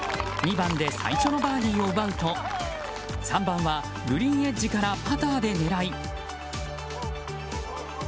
２番で最初のバーディーを奪うと３番はグリーンエッジからパターで狙い。